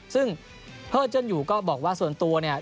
ซึ่งเพอร์เจิ้นอยู่ก็บอกว่าส่วนตัวเนี่ย